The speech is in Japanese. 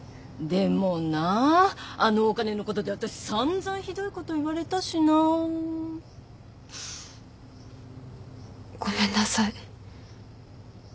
でもなああのお金のことで私散々ひどいこと言われたしな。ごめんなさい。